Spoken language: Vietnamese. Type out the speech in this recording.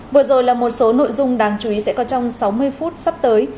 vừa rồi là một số nội dung đáng chú ý sẽ có trong sáu mươi phút sắp tới